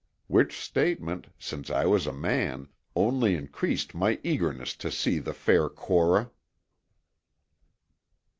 Which statement, since I was a man, only increased my eagerness to see the fair Cora.